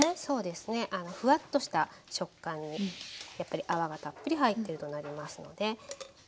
そうですねフワッとした食感にやっぱり泡がたっぷり入ってるとなりますので。